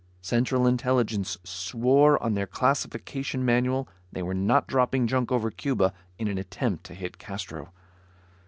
Central Intelligence swore on their classification manual they were not dropping junk over Cuba in an attempt to hit Castro.